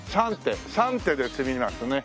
３手３手で詰みますね。